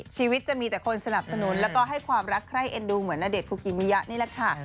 ชีวิตจะมีแต่คนสนับสนุนแล้วก็ให้ความรักใคร่เอ็นดูเหมือนณเดชนคุกิมิยะนี่แหละค่ะ